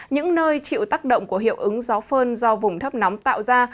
những nơi chịu tác động của hiệu ứng gió phơn do vùng thấp nóng tạo ra